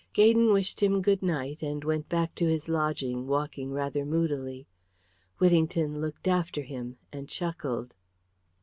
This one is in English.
Gaydon wished him good night and went back to his lodging, walking rather moodily. Whittington looked after him and chuckled.